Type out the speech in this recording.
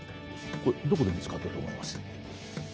これどこで見つかったと思います？